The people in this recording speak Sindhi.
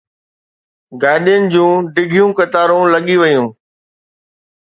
گاڏين جون ڊگهيون قطارون لڳي ويون.